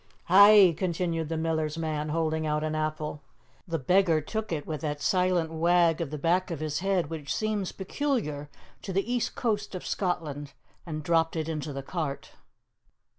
"Hae?" continued the miller's man, holding out an apple. The beggar took it with that silent wag of the back of the head which seems peculiar to the east coast of Scotland, and dropped it into the cart.